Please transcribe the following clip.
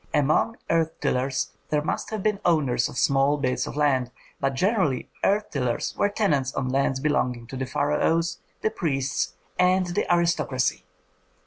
Among earth tillers there must have been owners of small bits of land, but generally earth tillers were tenants on lands belonging to the pharaohs, the priests, and the aristocracy.